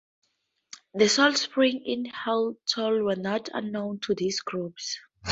The salt springs in Halltal were not unknown to these groups.